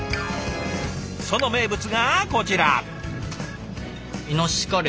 その名物がこちら。